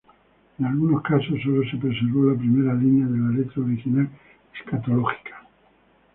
En algunos casos, solo se preservó la primera línea de la letra original escatológica.